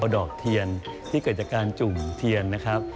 ดอกเทียนที่เกิดจากการจุ่มเทียนนะครับ